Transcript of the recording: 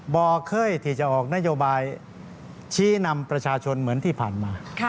เคยที่จะออกนโยบายชี้นำประชาชนเหมือนที่ผ่านมา